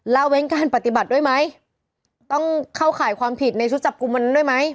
ละเว้นการปฏิบัติด้วยไหมต้องเข้าข่ายความผิดในชุดจับกลุ่มมันด้วยไหม